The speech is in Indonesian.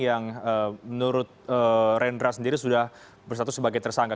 yang menurut rendra sendiri sudah bersatu sebagai tersangka